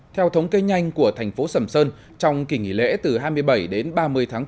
theo thống kê nhanh của thành phố sầm sơn trong kỳ nghỉ lễ từ hai mươi bảy đến ba mươi tháng bốn